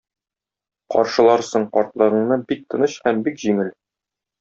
Каршыларсың картлыгыңны бик тыныч һәм бик җиңел.